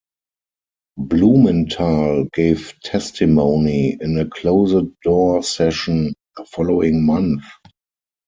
Blumenthal gave testimony in a closed-door session the following month.